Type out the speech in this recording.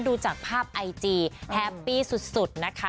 ดูจากภาพไอจีแฮปปี้สุดนะคะ